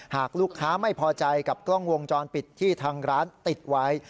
หากลูกค้าไม่พอใจกับกล้องวงจรปิดที่ทางร้านติดไว้